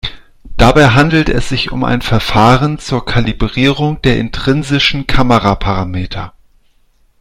Dabei handelt es sich um ein Verfahren zur Kalibrierung der intrinsischen Kameraparameter.